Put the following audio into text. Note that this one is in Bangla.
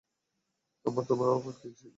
আমার তোমার আবার কী সিক্রেট বাবু?